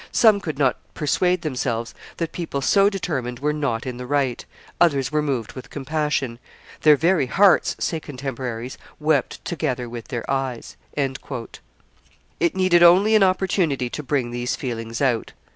Some could not persuade themselves that people so determined were not in the right; others were moved with compassion. 'Their very hearts,' say contemporaries, 'wept together with their eyes.'" It needed only an opportunity to bring these feelings out.